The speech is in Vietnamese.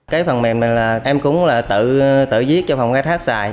cái phần mềm này là em cũng tự viết cho phòng khai thác xài